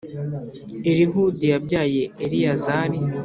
Elihudi yabyaye Eleyazari